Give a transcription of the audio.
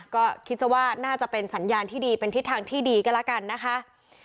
ก็คิดจะว่าน่าจะเป็นสัญญาณที่ดีเป็นทิศทางที่ดีก็แล้วกันนะคะ